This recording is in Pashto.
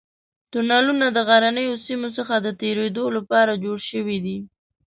تونلونه د غرنیو سیمو څخه د تېرېدو لپاره جوړ شوي دي.